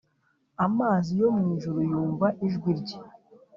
Amazi yo mu ijuru yumva ijwi rye